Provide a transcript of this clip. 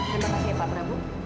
terima kasih ya pak prabu